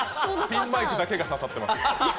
ピンマイクだけが刺さってます。